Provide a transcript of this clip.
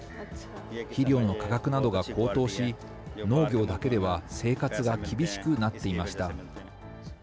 肥料の価格などが高騰し、農業だけでは生活が厳しくなっていました。